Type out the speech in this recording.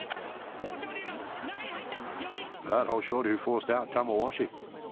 豊昇龍が中に入った。